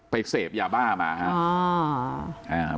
ไปเสพอย่าบ้ามานะครับ